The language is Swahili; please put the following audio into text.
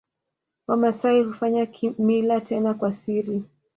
Wamasai hufanya kimila tena kwa siri